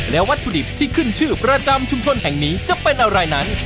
และวัตถุดิบที่ขึ้นชื่อประจำชุมชนแห่งนี้จะเป็นอะไรนั้น